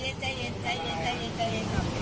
ใจเย็นใจเย็นใจเย็นใจเย็นใจเย็นใจเย็นใจเย็นใจเย็น